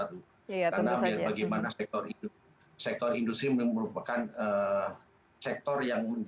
karena bagaimana sektor industri merupakan sektor yang memiliki kekuasaan yang sangat tinggi